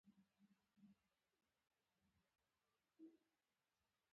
باز یو ځل ښکار ونیسي، هېڅکله یې نه پرېږدي